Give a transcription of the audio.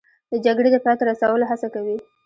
د جګړې د پای ته رسولو هڅه کوي